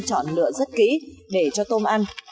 chọn lựa rất kỹ để cho tôm ăn